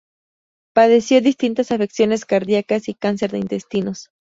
Padeció distintas afecciones cardíacas y cáncer de intestinos.